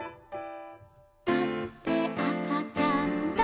「だってあかちゃんだから」